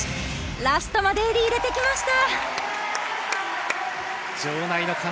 ラストまで入れてきました。